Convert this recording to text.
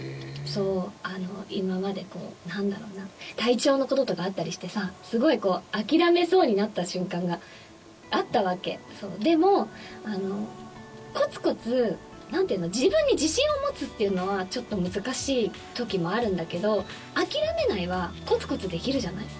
そうあの今まで何だろうな体調のこととかあったりしてさすごいこう諦めそうになった瞬間があったわけそうでもコツコツ何て言うの自分に自信を持つっていうのはちょっと難しい時もあるんだけど諦めないはコツコツできるじゃない？